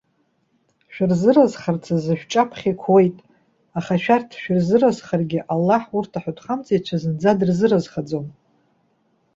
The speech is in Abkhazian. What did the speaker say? Шәырзыразхарц азы шәҿаԥхьа иқәуеит. Аха, шәарҭ шәырзыразхаргьы, Аллаҳ урҭ аҳәатәхамҵаҩцәа зынӡа дырзыразхаӡом.